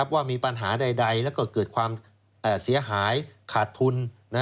ว่ามีปัญหาใดแล้วก็เกิดความเสียหายขาดทุน